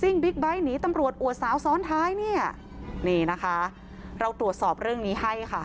บิ๊กไบท์หนีตำรวจอวดสาวซ้อนท้ายเนี่ยนี่นะคะเราตรวจสอบเรื่องนี้ให้ค่ะ